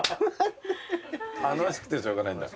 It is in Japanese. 楽しくてしょうがないんだ。